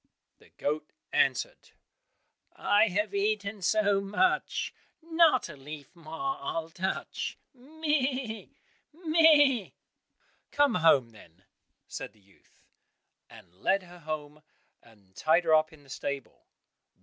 The goat answered, "I have eaten so much, Not a leaf more I'll touch, meh! meh!" "Come home, then," said the youth, and led her home, and tied her up in the stable.